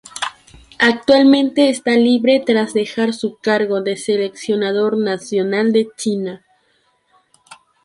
Actualmente está libre tras dejar su cargo de seleccionador nacional de China.